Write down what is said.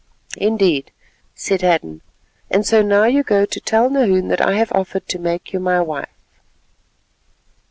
"Indeed," said Hadden; "and so now you go to tell Nahoon that I have offered to make you my wife."